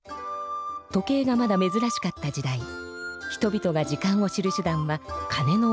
時計がまだめずらしかった時代人々が時間を知る手だんはかねの音でした。